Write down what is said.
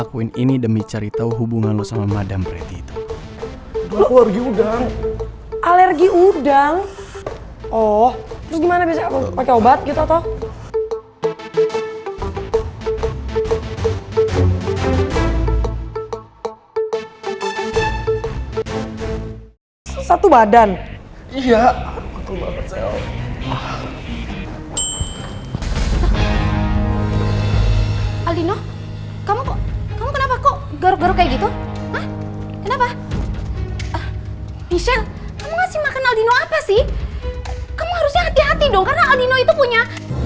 kamu harusnya hati hati dong karena aldino itu punya